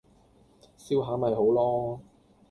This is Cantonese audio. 笑下咪好囉